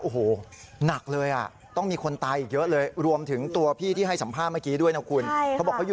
หักเลยต้องมีคนตายเยอะโควลรวมถึงตัวที่ให้สัมภาพเมื่อกี้ด้วย